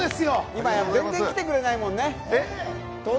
今や全然来てくれないもんね。